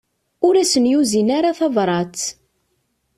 Ur asen-yuzin ara tabrat.